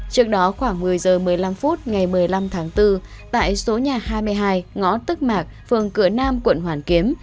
trước đó khoảng một mươi h một mươi năm phút ngày một mươi năm tháng bốn tại số nhà hai mươi hai ngõ tức mạc phường cửa nam quận hoàn kiếm